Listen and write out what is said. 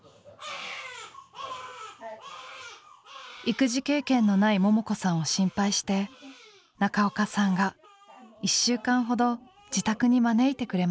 育児経験のないももこさんを心配して中岡さんが１週間ほど自宅に招いてくれました。